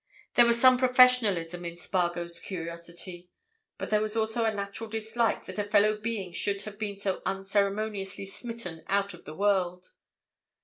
There was some professionalism in Spargo's curiosity, but there was also a natural dislike that a fellow being should have been so unceremoniously smitten out of the world.